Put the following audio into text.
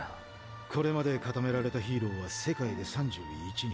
これまで固められたヒーローは世界で３１人。